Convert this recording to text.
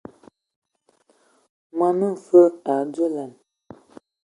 Mɔn mfǝ a dzolan.